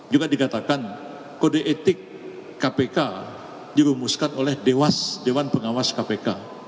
juga dikatakan kode etik kpk dirumuskan oleh dewas dewan pengawas kpk